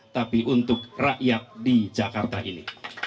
tapi untuk rakyat di jakarta ini